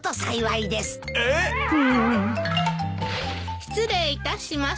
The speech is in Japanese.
失礼いたします。